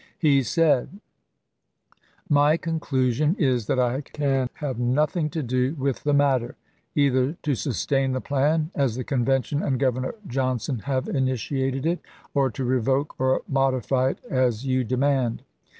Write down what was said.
He said : My conclusion is that I can have nothing to do with the matter, either to sustain the plan as the Convention and Governor Johnson have initiated it, or to revoke or modify it as you demand.